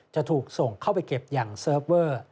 จะถูกส่งเข้าไปเก็บอย่างเซิร์ฟเวอร์